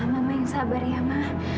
ma mama yang sabar ya ma